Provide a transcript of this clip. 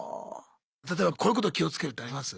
例えばこういうこと気をつけるってあります？